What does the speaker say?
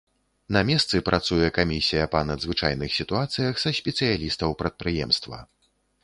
На месцы працуе камісія па надзвычайных сітуацыях са спецыялістаў прадпрыемства.